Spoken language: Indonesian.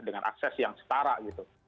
dengan akses yang setara gitu